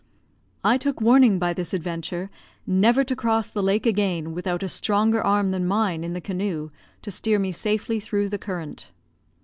I took warning by this adventure, never to cross the lake again without a stronger arm than mine in the canoe to steer me safely through the current.